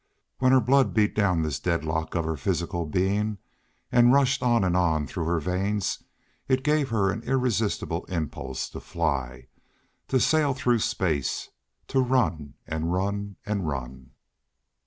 When her blood beat down this deadlock of an her physical being and rushed on and on through her veins it gave her an irresistible impulse to fly, to sail through space, to ran and run and ran.